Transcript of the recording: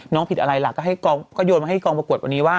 น้องผิดอะไรล่ะก็โยนมาให้กองประกวดวันนี้ว่า